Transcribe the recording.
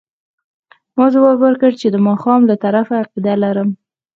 ما ځواب ورکړ چې د ماښام له طرفه عقیده لرم.